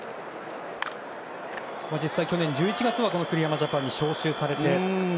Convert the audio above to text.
実際、去年１１月に栗山ジャパンに招集されて。